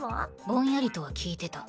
ぼんやりとは聞いてた。